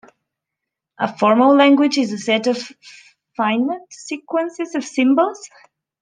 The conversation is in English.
A "formal language" is a set of finite sequences of symbols.